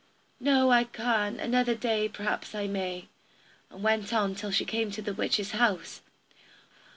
"No, I can't; another day p'raps I may," and went on till she came to the witch's house.